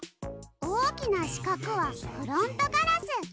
おおきなしかくはフロントガラス。